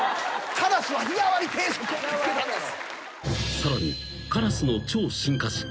［さらにカラスの超進化史。